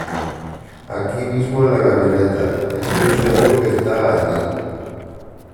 Aquí mismo en la camioneta. Estoy seguro que está allí .